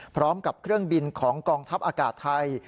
พร้อมกับเครื่องบินของกองทัพอากาศไทย